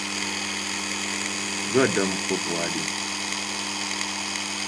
Gaə̌ də́ m kwə̂p wa deŋ.